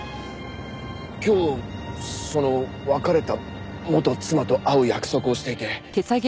今日その別れた元妻と会う約束をしていて。